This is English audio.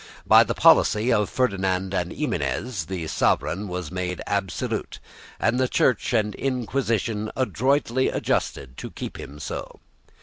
By the policy of Ferdinand and Ximenez the sovereign had been made absolute, and the Church and Inquisition adroitly adjusted to keep him so.